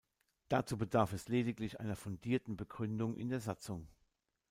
Dazu bedarf es lediglich einer fundierten Begründung in der Satzung.